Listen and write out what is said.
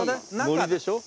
森でしょ。